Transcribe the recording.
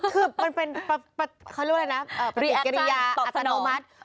คือมันเป็นปฏิกิริยาอัตโนมัติ